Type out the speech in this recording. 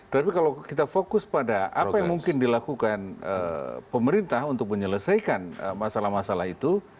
tapi kalau kita fokus pada apa yang mungkin dilakukan pemerintah untuk menyelesaikan masalah masalah itu